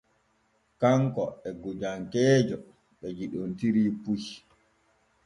Kanko e gojankeeje ɓe yiɗontiri puy.